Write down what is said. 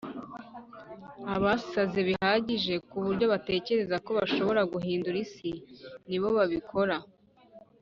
"abasaze bihagije kuburyo batekereza ko bashobora guhindura isi, ni bo babikora."